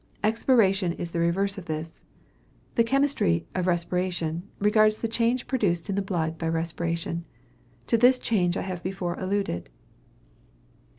Expiration is the reverse of this. The chemistry of respiration regards the change produced in the blood by respiration. To this change I have before alluded.